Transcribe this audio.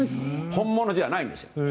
本物じゃないんです。